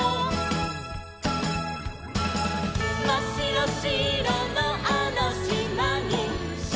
「まっしろしろのあのしまに」